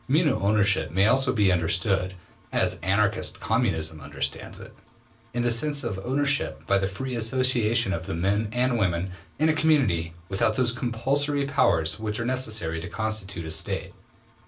Communal ownership may also be understood, as Anarchist Communism understands it, in the sense of ownership by the free association of the men and women in a community without those compulsory powers which are necessary to constitute a State.